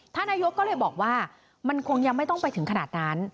ท่านนายกก็เลยบอกว่ามันคงยังไม่ต้องไปถึงขนาดนั้น